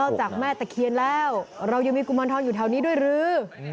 จากแม่ตะเคียนแล้วเรายังมีกุมารทองอยู่แถวนี้ด้วยหรือ